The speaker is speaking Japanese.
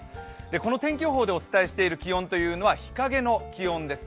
この天気予報でお伝えしている気温というのは日影の気温です。